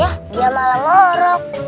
yah dia malah ngorok